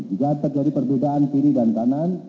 jika terjadi perbedaan kiri dan kanan